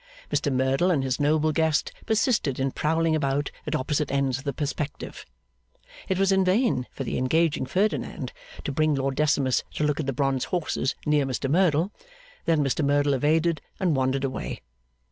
Mr Merdle and his noble guest persisted in prowling about at opposite ends of the perspective. It was in vain for the engaging Ferdinand to bring Lord Decimus to look at the bronze horses near Mr Merdle. Then Mr Merdle evaded, and wandered away.